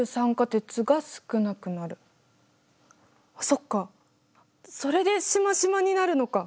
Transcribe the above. そっかそれでしましまになるのか！